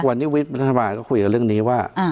วันนี้วิบรัฐบาลก็คุยกับเรื่องนี้ว่า